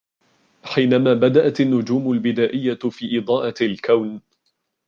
حينما بدأت النجوم البدائية في إضاءة الكون